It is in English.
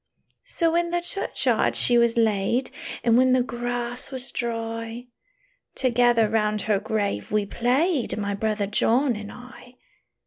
"So in the churchyard she was laid; And, when the grass was dry, Together round her grave we played, My brother John and I.